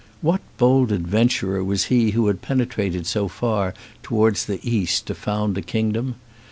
What bold adventurer was he who had penetrated so far towards the East to found a kingdom?